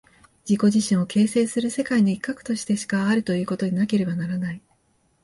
自己自身を形成する世界の一角としてしかあるということでなければならない。